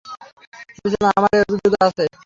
ভেবেছিলাম, আমার এই অভিজ্ঞতা আছে।